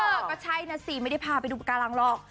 เออก็ใช่นะสิไม่ได้พาไปดูปากการังหรอก